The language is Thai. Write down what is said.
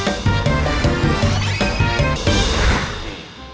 สวัสดีครับ